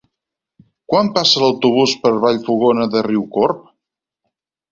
Quan passa l'autobús per Vallfogona de Riucorb?